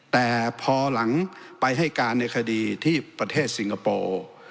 แต่พอหลังไปให้การในคดีที่ประเทศสิงคโปร์